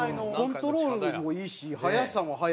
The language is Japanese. コントロールもいいし速さも速いし。